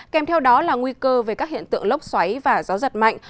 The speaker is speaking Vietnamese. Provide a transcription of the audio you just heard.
kèm theo đó là nguy cơ về các hiện tượng lốc xoáy và gió giật mạnh